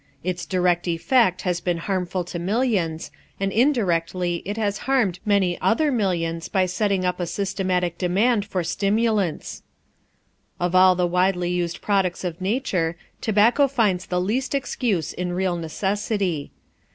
Its direct effect has been harmful to millions, and indirectly it has harmed many other millions by setting up a systematic demand for stimulants. Of all the widely used products of nature, tobacco finds the least excuse in real necessity.